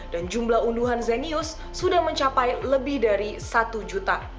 jumlah unduhan zenius sudah mencapai lebih dari satu juta